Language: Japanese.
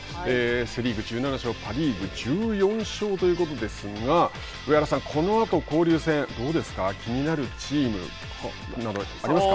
セ・リーグ１７勝、パ・リーグ１４勝ということですが上原さん、このあと交流戦どうですか、気になるチームなどありますか。